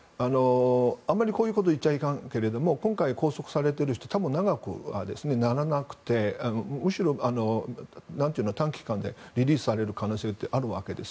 あまりこういうことを言っちゃいけないけど今回、拘束されている人は長くはならなくてむしろ、短期間でリリースされる可能性があるわけです。